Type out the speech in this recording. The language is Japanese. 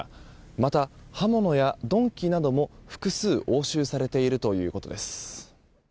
また、刃物や鈍器なども複数押収されているということです。